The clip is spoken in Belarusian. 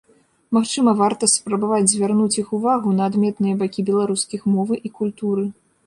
Магчыма, варта спрабаваць звярнуць іх увагу на адметныя бакі беларускіх мовы і культуры.